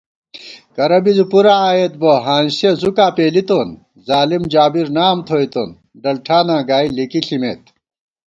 کرہ بی زی پُراں آئیت بہ ہانسیَہ زُکا پېلِیتون * ظالم جابر نام تھوَئیتون ڈل ٹھاناں گائی لِکی ݪِمېت